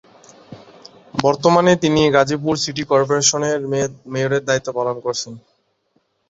বর্তমানে তিনি Gazipur city corporation এর মেয়রের দায়িত্ব পালন করছেন।